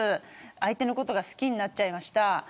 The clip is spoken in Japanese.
相手のことが好きになっちゃいました。